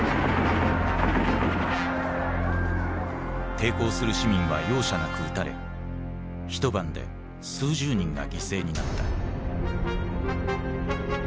抵抗する市民は容赦なく撃たれ一晩で数十人が犠牲になった。